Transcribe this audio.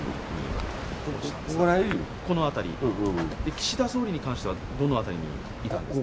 岸田総理に関してはどの辺りにいたんですか。